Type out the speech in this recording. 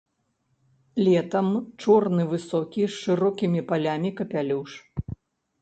Летам чорны высокі з шырокімі палямі капялюш.